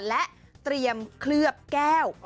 และเตรียมเคลือบแก้ว